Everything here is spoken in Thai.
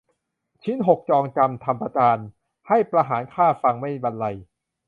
ชิ้นหกจองจำทำประจาน ให้ประหารฆ่าฟังไม่บรรไลย